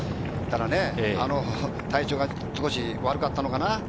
ただ体調が少し悪かったのかな。